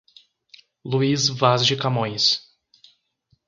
Luís Vaz de Camões